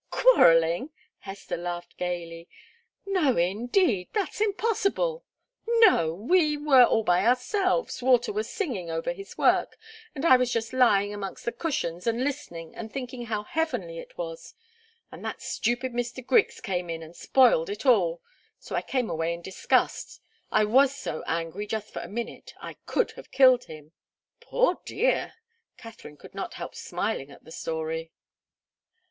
"Quarrelling!" Hester laughed gaily. "No, indeed. That's impossible! No we were all by ourselves Walter was singing over his work, and I was just lying amongst the cushions and listening and thinking how heavenly it was and that stupid Mr. Griggs came in and spoiled it all. So I came away in disgust. I was so angry, just for a minute I could have killed him!" "Poor dear!" Katharine could not help smiling at the story.